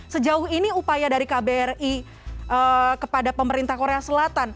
sejauh ini upaya dari kbri kepada pemerintah korea selatan